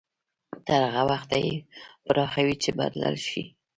تر هغه وخته يې پراخوي چې بدل شي.